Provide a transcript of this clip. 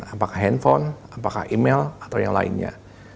apakah handphone apakah email atau yang lainnya